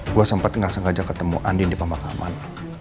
gue sempat gak sengaja ketemu andien di pemakaman